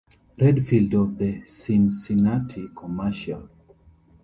Redfield of the Cincinnati Commercial.